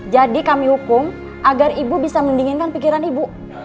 jadi kami hukum agar ibu bisa mendinginkan pikiran ibu